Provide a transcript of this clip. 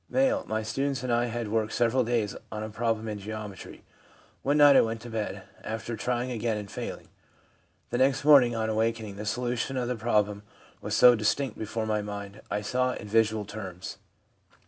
M. ' My students and I had worked several days on a problem in geometry. One night I went to bed, after trying again and failing. The next morning, on awakening, the solution of the problem was so distinct before my mind, I saw it in visual terms.'